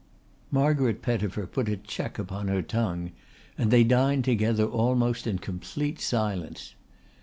Margaret Pettifer put a check upon her tongue and they dined together almost in complete silence.